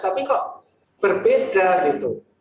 tapi kok berbeda gitu